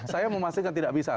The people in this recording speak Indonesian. saya memastikan tidak bisa